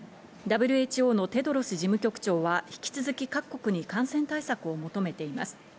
ＷＨＯのテドロス事務局長は引き続き各国に感染対策を求めています。